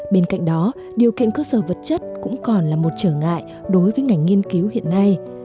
bên cạnh đó điều kiện cơ sở vật chất cũng còn là một trở ngại đối với ngành nghiên cứu hiện nay